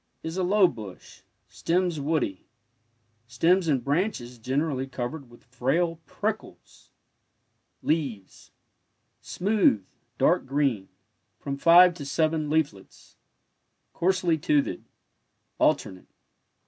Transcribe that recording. Is a low bush— stems woody— stems and branches generally covered with frail prickles. Leaves — smooth, dark green, from five to seven leaflets, coarsely toothed— alternate.